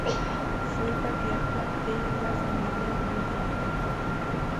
Fue el patriarca de la familia Vanderbilt.